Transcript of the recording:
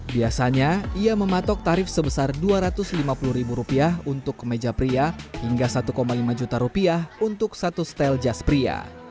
biasanya ia mematok tarif sebesar rp dua ratus lima puluh ribu rupiah untuk kemeja pria hingga satu lima juta rupiah untuk satu setel jas pria